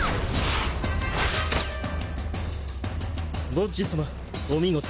ボッジ様お見事